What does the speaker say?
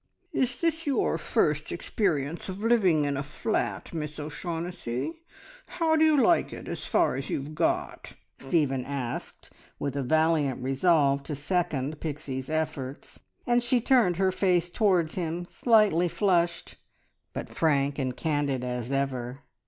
"Is this your first experience of living in a flat, Miss O'Shaughnessy? How do you like it, as far as you've got?" Stephen asked, with a valiant resolve to second Pixie's efforts, and she turned her face towards him, slightly flushed, but frank and candid as ever.